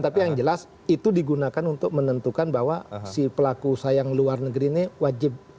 tapi yang jelas itu digunakan untuk menentukan bahwa si pelaku usaha yang luar negeri ini wajib